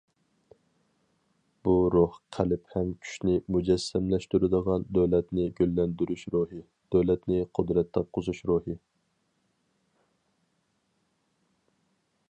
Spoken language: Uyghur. بۇ روھ قەلب ھەم كۈچنى مۇجەسسەملەشتۈرىدىغان دۆلەتنى گۈللەندۈرۈش روھى، دۆلەتنى قۇدرەت تاپقۇزۇش روھى.